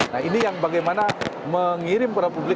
nah ini yang bagaimana mengirim kepada publik